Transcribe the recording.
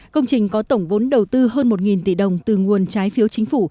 công trình có tổng vốn đầu tư hơn một tỷ đồng từ nguồn trái phiếu chính phủ